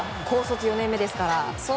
高卒４年目ですから。